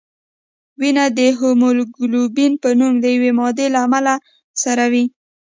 وینه د هیموګلوبین په نوم د یوې مادې له امله سره وي